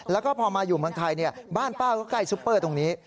แล้วก็พอมาอยู่เมืองไทยบ้านป้าก็ใกล้ซุปเปอร์ตรงนี้